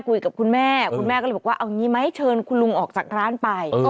คุยกับคุณแม่คุณแม่ก็เลยบอกว่าเอางี้ไหมเชิญคุณลุงออกจากร้านไป